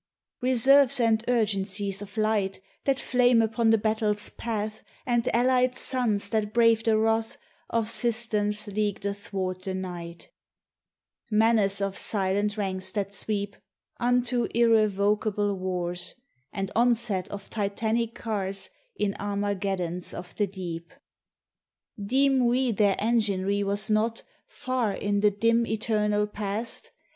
Reserves and urgencies of light That flame upon the battle's path, And allied suns that brave the wrath Of systems leagued athwart the night; Menace of silent ranks that sweep Unto irrevocable wars, And onset of Titanic cars In Armageddons of the Deep! Deem we their enginery was not, Far in the dim, eternal past?